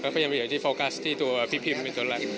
ก็พยายามอยู่เป็นตู้ฟิกผิมอยู่ตรงแลนด์